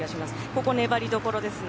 ここ、粘りどころですね。